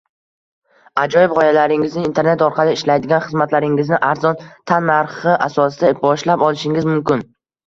Ajoyib g’oyalaringizni, internet orqali ishlaydigan xizmatlaringizni arzon tan narxi asosida boshlab olishingiz mumkin